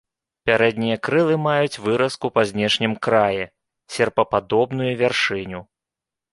Пярэднія крылы маюць выразку па знешнім краі, серпападобную вяршыню.